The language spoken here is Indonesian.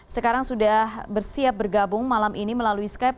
sekarang sudah bersiap bergabung malam ini melalui skype